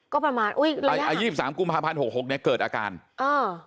ก็ประมาณอุ้ยอ่ายี่สิบสามกุมภาพันธ์หกหกเนี้ยเกิดอาการเออ